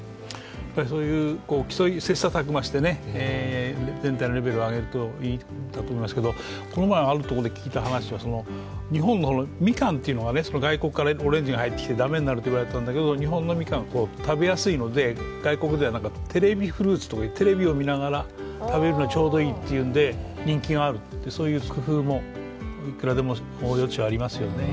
そういう切磋琢磨してね、全体のレベルを上げるといいんだと思うんですけどこの前、あるところで聞いた話は日本のみかんが外国からオレンジが入ってきて、駄目になると言われたんですが日本のみかんは食べやすいので、外国ではテレビフルーツとか、テレビを見ながら食べるのにちょうどいいっていうんで人気があるって、そういう工夫もいくらでも余地はありますよね。